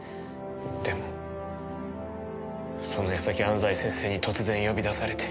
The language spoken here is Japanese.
でもその矢先安西先生に突然呼び出されて。